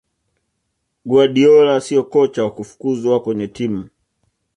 guardiola siyo kocha wa kufukuzwa kwenye timu